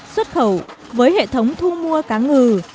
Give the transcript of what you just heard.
xuất khẩu với hệ thống thu mua cá ngừ